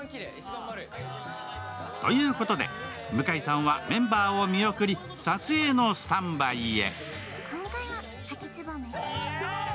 ということで、向井さんはメンバーを見送り撮影のスタンバイへ。